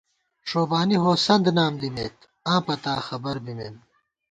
ݭوبانی ہوسند نام دِمېت، آں پتا خبر بِمېم